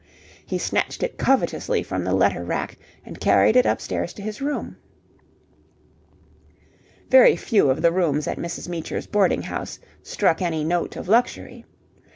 He snatched it covetously from the letter rack, and carried it upstairs to his room. Very few of the rooms at Mrs. Meecher's boarding house struck any note of luxury.